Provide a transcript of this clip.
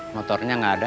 motornya gak ada